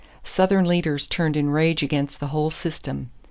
Southern leaders turned in rage against the whole system.